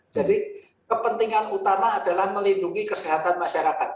jadi kepentingan utama adalah melindungi kesehatan masyarakat